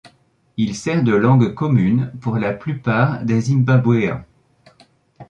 Il sert de langue commune pour la plupart des Zimbabwéens.